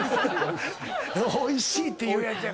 おいしいっていうやつやから。